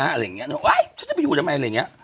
อะไรอย่างนี้ฉันจะไปอยู่ทำไมอะไรอย่างนี้